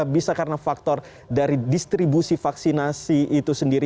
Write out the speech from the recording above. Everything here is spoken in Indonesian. bisa karena faktor dari distribusi vaksinasi itu sendiri